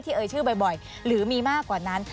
เอ่ยชื่อบ่อยหรือมีมากกว่านั้น